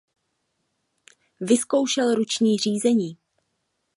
Vyzkoušel ruční řízení.